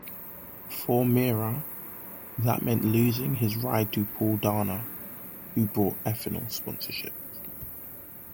For Meira, that meant losing his ride to Paul Dana, who brought Ethanol sponsorship.